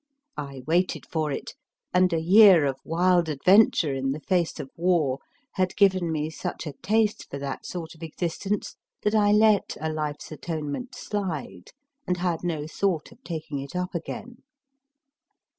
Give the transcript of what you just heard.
I waited for it, and a year of wild adventure in the face of war had given me such a taste for that sort of existence that I let * A Life s Atonement slide, and had no thought of taking it up again.